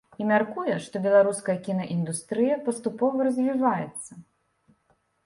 І мяркуе, што беларуская кінаіндустрыя паступова развіваецца.